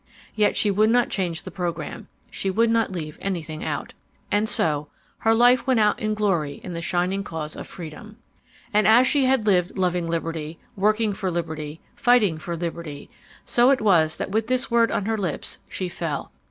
Yet she would not change the program; she would not leave anything out ... "And so ... her life went out in glory in the shining cause of freedom. "And as she had lived loving liberty, working for liberty, fighting for liberty, so it was that with this word on her lips she fell.